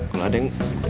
kalau ada yang